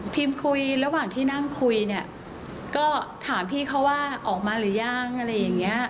คุยระหว่างที่นั่งคุยเนี่ยก็ถามพี่เขาว่าออกมาหรือยังอะไรอย่างนี้